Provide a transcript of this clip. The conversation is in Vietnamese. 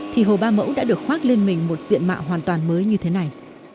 thì hồ ba mẫu đã được khoác lên mình một diện mạo hoàn toàn mới như thế này